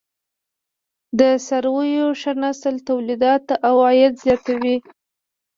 د څارويو ښه نسل تولیدات او عاید زیاتوي.